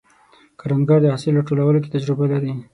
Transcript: کروندګر د حاصل راټولولو کې تجربه لري